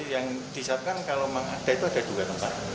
yang disiapkan kalau memang ada itu ada dua tempat